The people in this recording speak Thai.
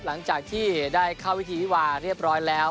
หลังจากที่ได้เข้าวิธีวิวาเรียบร้อยแล้ว